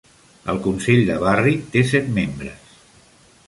El consell de barri té set membres.